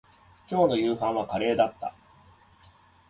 今日の夕飯はカレーだった